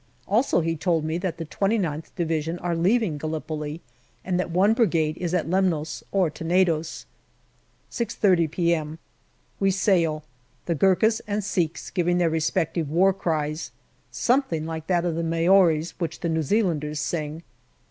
Also he told me that the 29th Division are leaving Gallipoli, and that one Brigade is at Lemnos or Tenedos. 6.30 p.m. We sail, the Gurkhas and Sikhs giving their respective war cries, something like that of the Maoris which the New Zealanders sing.